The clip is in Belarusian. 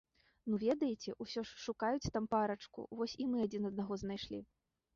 Ну ведаеце, усё ж шукаюць там парачку, вось і мы адзін аднаго знайшлі.